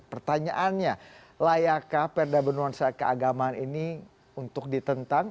pertanyaannya layakkah perda bernuansa keagamaan ini untuk ditentang